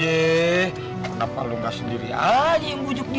kenapa lo gak sendiri aja yang bujuk dia